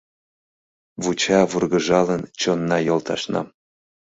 Вуча вургыжалын чонна йолташнам.